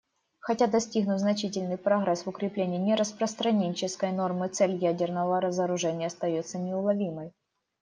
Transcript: Хотя достигнут значительный прогресс в укреплении нераспространенческой нормы, цель ядерного разоружения остается неуловимой.